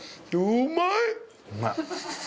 うまい。